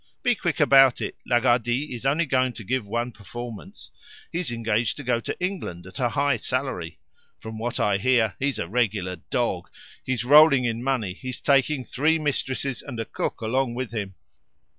Be quick about it. Lagardy is only going to give one performance; he's engaged to go to England at a high salary. From what I hear, he's a regular dog; he's rolling in money; he's taking three mistresses and a cook along with him.